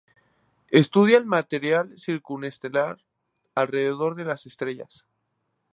Estudia el material circunestelar alrededor de las estrellas.